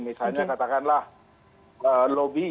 misalnya katakanlah lobby